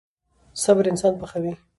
صبر انسان پخوي.